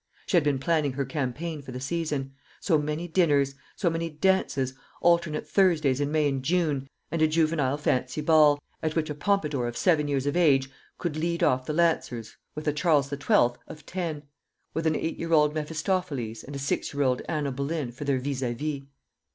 She had been planning her campaign for the season so many dinners, so many dances, alternate Thursdays in May and June; and a juvenile fancy ball, at which a Pompadour of seven years of age could lead off the Lancers with a Charles the Twelfth of ten, with an eight year old Mephistopheles and a six year old Anna Boleyn for their vis à vis.